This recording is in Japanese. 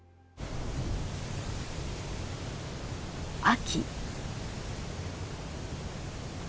秋。